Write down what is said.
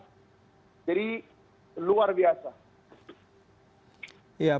jadi luar biasa